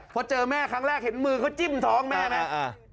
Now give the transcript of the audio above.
พอเจอแม่ครั้งแรกเห็นมือเขาจิ้มท้องแม่ไหม